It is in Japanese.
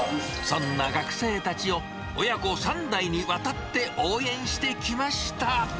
そんな学生たちを親子３代にわたって応援してきました。